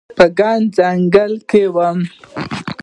په ګڼ ځنګل کې وم